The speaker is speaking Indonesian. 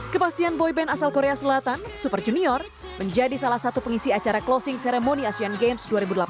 kepastian boyband asal korea selatan super junior menjadi salah satu pengisi acara closing ceremony asean games dua ribu delapan belas